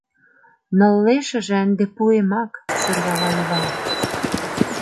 Ныллешыже ынде пуэмак, — сӧрвала Йыван.